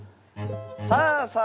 さあさあ